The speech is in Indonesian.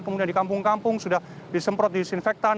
kemudian di kampung kampung sudah disemprot disinfektan